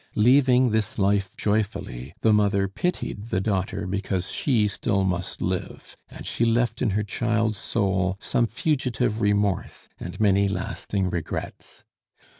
Leaving this life joyfully, the mother pitied the daughter because she still must live; and she left in her child's soul some fugitive remorse and many lasting regrets.